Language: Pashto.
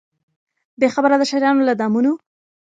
بې خبره د ښاریانو له دامونو